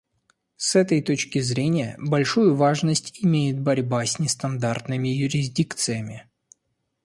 С этой точки зрения, большую важность имеет борьба с нестандартными юрисдикциями.